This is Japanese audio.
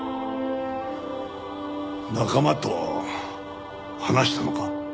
仲間とは話したのか？